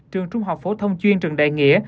trường trung học phổ thông chuyên trần đại nghĩa